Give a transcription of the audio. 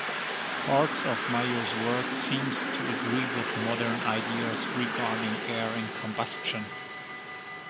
Parts of Mayow's work seems to agree with modern ideas regarding air and combustion.